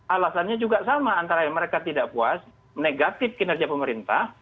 alasannya juga sama antara mereka tidak puas negatif kinerja pemerintah